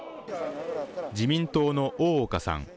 自民党の大岡さん。